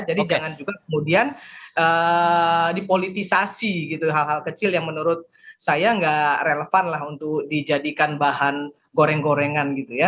jangan juga kemudian dipolitisasi gitu hal hal kecil yang menurut saya nggak relevan lah untuk dijadikan bahan goreng gorengan gitu ya